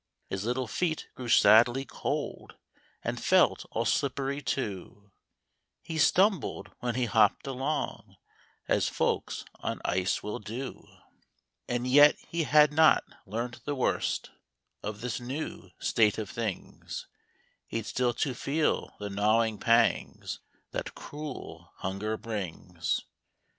His little feet grew sadly cold, And felt all slippery too ; He stumbled when he hopped along As folks on ice will do. THE ROBINS CHRISTMAS EVE. And yet he had not learnt the worst Of this new state of things ; He'd still to feel the gnawing pangs That cruel hunger brings.